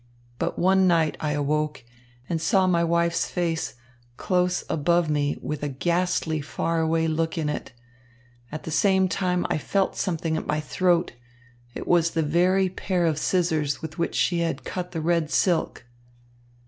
But one night I awoke and saw my wife's face close above me with a ghastly far away look in it. At the same time I felt something at my throat. It was the very pair of scissors with which she had cut the red silk.